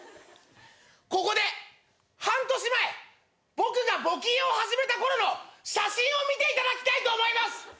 ここで半年前僕が募金を始めたころの写真を見ていただきたいと思います。